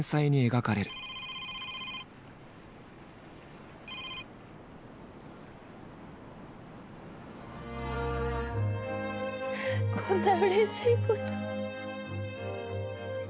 こんなうれしいことないです。